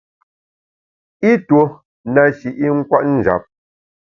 I tuo na shi i nkwet njap.